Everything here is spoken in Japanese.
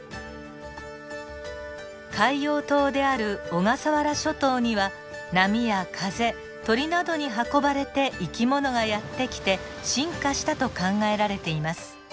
海洋島である小笠原諸島には波や風鳥などに運ばれて生き物がやって来て進化したと考えられています。